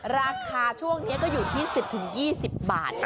ราคาช่วงนี้ก็๑๐ถึง๒๐บาท